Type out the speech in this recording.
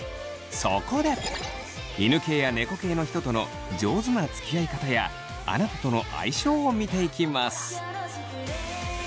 そこで犬系や猫系の人との上手なつきあい方やあなたとの相性を見ていきます。